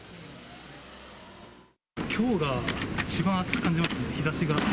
きょうが一番暑く感じますね、日ざしが。